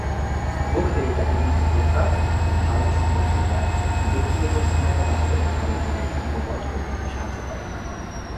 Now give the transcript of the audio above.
গোখলে তাকে নিজ প্রজ্ঞা, ভারত সম্পর্কিত জ্ঞান ও ব্যক্তিগত সহায়তা দান করে ভারতীয়দের সংঘবদ্ধ করতে সাহায্য করেন।